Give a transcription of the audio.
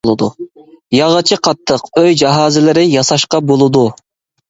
ياغىچى قاتتىق، ئۆي جاھازلىرى ياساشقا بولىدۇ.